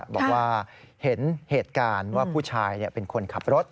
บอกว่าเห็นเหตุการณ์ว่าผู้ชายเป็นคนขับรถ